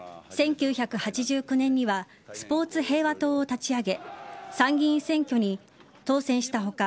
１９８９年にはスポーツ平和党を立ち上げ参議院選挙に当選した他